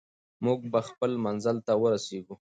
موږ به خپل منزل ته ورسېږو.